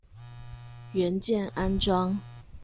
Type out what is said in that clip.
元件安裝